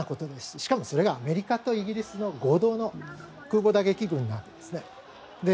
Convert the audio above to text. しかもそれがアメリカとイギリスの合同の空母打撃群だと。